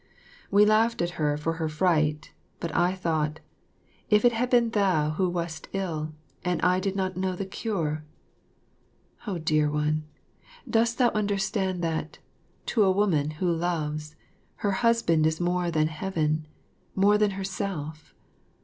We laughed at her for her fright, but I thought, if it had been thou who wast ill, and I did not know the cure! Oh, dear one, dost thou understand that, to a woman who loves, her husband is more than Heaven, more than herself?